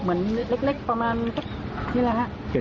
เหมือนเล็กประมาณสักนี่แหละฮะ